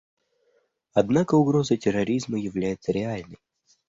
Однако угроза терроризма является реальной.